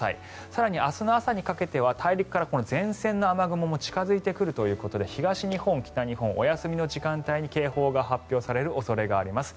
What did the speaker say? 更に明日の朝にかけては大陸から前線の雨雲も近付いてくるということで東日本、北日本お休みの時間帯に警報が発表される恐れがあります。